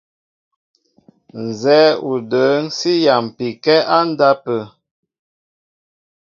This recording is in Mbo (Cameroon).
Nzɛ́ɛ́ o də̌ŋ sí yámpi kɛ́ á ndápə̂.